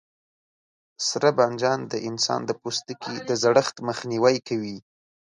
سره بانجان د انسان د پوستکي د زړښت مخنیوی کوي.